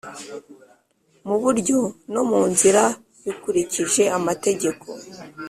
Mu buryo no mu nzira bikurikije amategeko